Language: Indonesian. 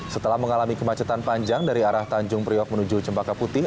setelah mengalami kemacetan panjang dari arah tanjung priok menuju cempaka putih